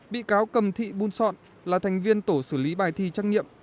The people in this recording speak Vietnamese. bị cáo cầm thị buôn sọn là thành viên tổ xử lý bài thi trắc nghiệm